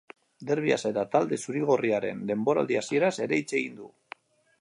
Derbiaz eta talde zuri-gorriaren denboraldi hasieraz ere hitz egin du.